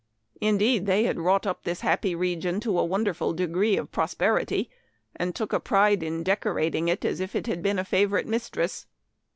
Indeed they had wrought up this happy region to a wonderful degree of pros perity, and took a pride in decorating it as if it had been a favorite mistress.